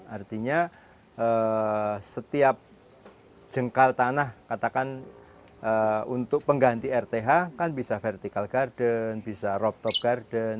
artinya setiap jengkal tanah katakan untuk pengganti rth kan bisa vertical garden bisa roptop garden